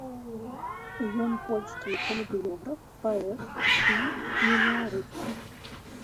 Ён польскі камедыёграф, паэт і мемуарыст.